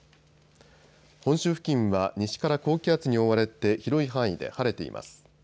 本州付近は西から高気圧に覆われて広い範囲で晴れています。